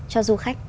cho du khách